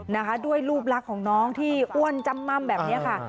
นะคะด้วยรูปลักษณ์ของน้องที่อ้วนจำม่ำแบบนี้ค่ะ